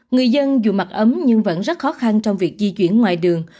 người dân dù mặc ấm nhưng vẫn rất khó khăn trong việc di chuyển ngoài đường